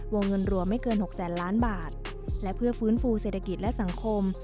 วงเงินรวมไม่เกิน๖แสนล้านบาทและเพื่อฟื้นฟูเศรษฐกิจและสังคม